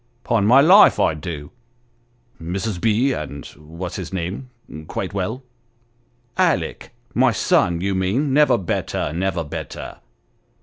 " Ton my life, I do !"" Mrs. B. and what's his name quite well ?"" Alick my son, you mean ; never better never better.